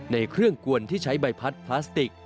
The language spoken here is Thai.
ในเครื่องกวนที่ใช้ใบพัดพลาสติก